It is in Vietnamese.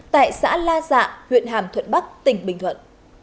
tại xã la dạ huyện hàm thuận bắc tỉnh bình thuận